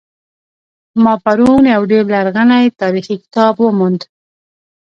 ما پرون یو ډیر لرغنۍتاریخي کتاب وموند